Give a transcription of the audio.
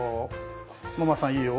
ママさんいいよ。